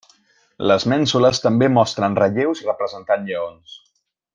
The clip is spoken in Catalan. Les mènsules també mostren relleus representant lleons.